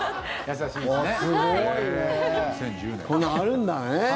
この、あるんだね。